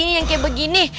ini yang kayak begini